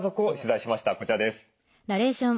こちらです。